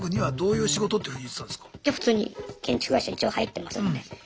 いや普通に建築会社一応入ってますので。